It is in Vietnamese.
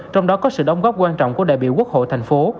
trong đó có sự đóng góp quan trọng của đại biểu quốc hội thành phố